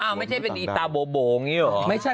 ไม่ใช่เป็นอีตาโบอย่างนี้หรอ